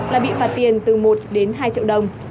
là bị phạt tiền từ một đến hai triệu đồng